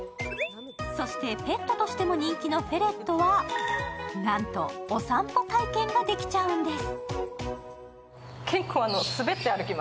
ペットとしても人気のフェレットはなんと、お散歩体験ができちゃうんです。